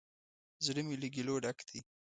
زړه می له ګیلو ډک دی